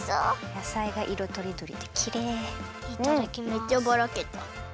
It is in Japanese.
めっちゃばらけた。